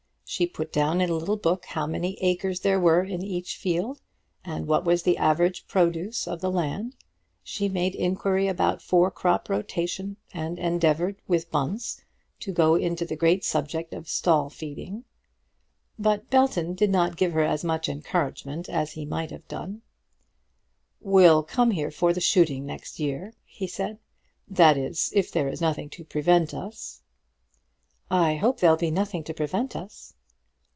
She put down in a little book how many acres there were in each field, and what was the average produce of the land. She made inquiry about four crop rotation, and endeavoured, with Bunce, to go into the great subject of stall feeding. But Belton did not give her as much encouragement as he might have done. "We'll come here for the shooting next year," he said; "that is, if there is nothing to prevent us." "I hope there'll be nothing to prevent us."